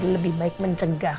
lebih baik mencegah